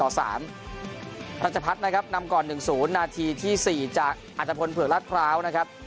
รัชพรรดรัชพรรดนะครับนำก่อน๑ศูนย์นาทีที่๔อาจจะพลเพลิกรัสคราวนะครับ